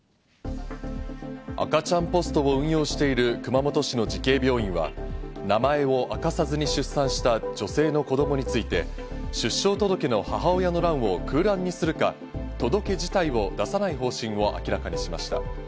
赤ちゃんポストを運用している熊本市の慈恵病院は、名前を明かさずに出産した女性の子供について出生届の母親の欄を空欄にするか、届自体を出さない方針を明らかにしました。